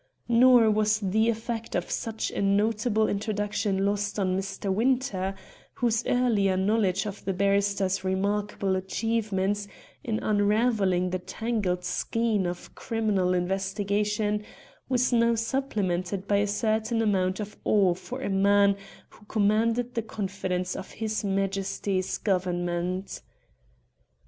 Nor was the effect of such a notable introduction lost on Mr. Winter, whose earlier knowledge of the barrister's remarkable achievements in unravelling the tangled skein of criminal investigation was now supplemented by a certain amount of awe for a man who commanded the confidence of His Majesty's Government.